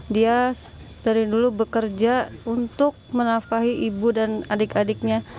dia dari dulu bekerja untuk menafahi ibu dan adik adiknya